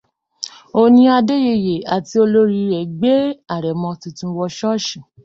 Oòni Adéyẹyè àti Olòrì rẹ̀ gbé Àrẹ̀mọ tuntun wọ ṣọ́ọ̀ṣì.